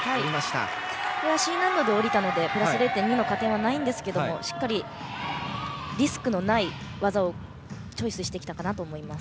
Ｃ難度で下りたのでプラス０．２の加点はないんですけれどもしっかり、リスクのない技をチョイスしてきたと思います。